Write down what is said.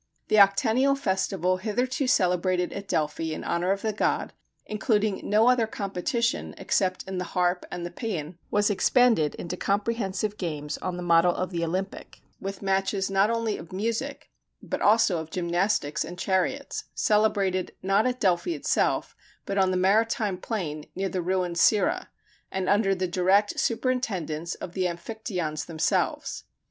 The octennial festival hitherto celebrated at Delphi in honor of the god, including no other competition except in the harp and the pæan, was expanded into comprehensive games on the model of the Olympic, with matches not only of music, but also of gymnastics and chariots celebrated, not at Delphi itself, but on the maritime plain near the ruined Cirrha and under the direct superintendence of the Amphictyons themselves.